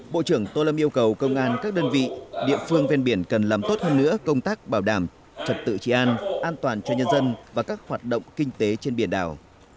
bộ trưởng tô lâm yêu cầu công an các đơn vị địa phương ven biển cần làm tốt hơn nữa công tác bảo đảm trật tự trị an an toàn cho nhân dân và các hoạt động kinh tế trên biển đảo